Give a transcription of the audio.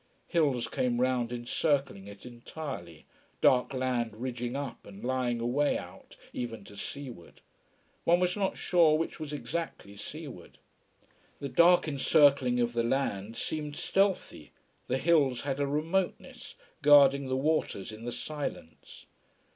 Hills came round encircling it entirely dark land ridging up and lying away out, even to seaward. One was not sure which was exactly seaward. The dark encircling of the land seemed stealthy, the hills had a remoteness, guarding the waters in the silence.